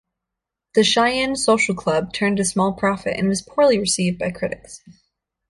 "The Cheyenne Social Club" turned a small profit, and was poorly received by critics.